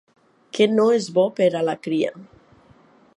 Que no és bo per a la cria.